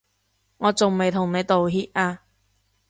我仲未同你道歉啊